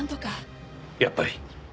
やっぱり。